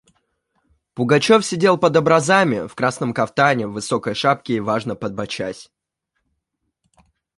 Пугачев сидел под образами, в красном кафтане, в высокой шапке и важно подбочась.